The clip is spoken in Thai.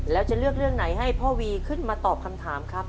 แล้วจะเลือกเรื่องไหนให้พ่อวีขึ้นมาตอบคำถามครับ